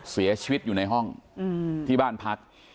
เสียชีวิตอยู่ในห้องที่บ้านพัก